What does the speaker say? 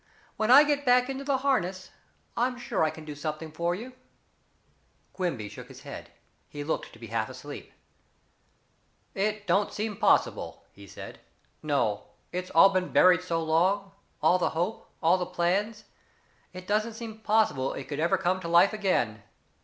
When I get back into the harness I'm sure I can do something for you." Quimby shook his head. He looked to be half asleep. "It don't seem possible," he said. "No it's all been buried so long all the hope all the plans it don't seem possible it could ever come to life again."